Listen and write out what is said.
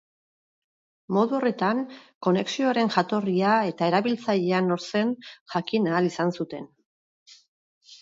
Modu horretan, konexioaren jatorria eta erabiltzailea nor zen jakin ahal izan zuten.